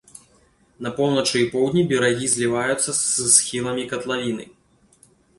На поўначы і поўдні берагі зліваюцца з схіламі катлавіны.